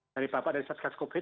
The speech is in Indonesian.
dari bapak dari satgas covid